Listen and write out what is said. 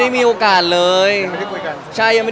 แล้วถ่ายละครมันก็๘๙เดือนอะไรอย่างนี้